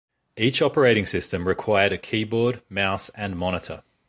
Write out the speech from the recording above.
Each operating system required a keyboard, mouse and monitor.